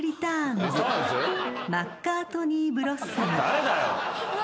誰だよ。